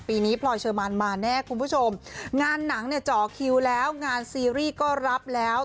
ปีนี้พลอยเชอร์มานมาแน่คุณผู้ชมงานหนังเนี่ยเจาะคิวแล้วงานซีรีส์ก็รับแล้ว